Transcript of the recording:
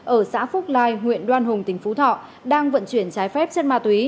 ở xã phúc lai huyện đoan hùng tỉnh phú thọ đang vận chuyển trái phép chất ma túy